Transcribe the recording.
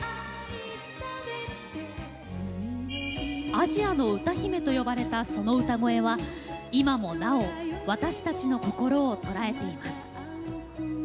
「アジアの歌姫」と呼ばれたその歌声は今もなお私たちの心を捉えています。